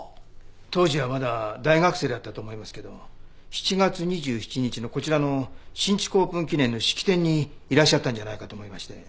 当時はまだ大学生だったと思いますけど７月２７日のこちらの新築オープン記念の式典にいらっしゃったんじゃないかと思いまして。